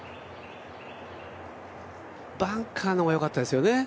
バンカーの方がよかったですよね。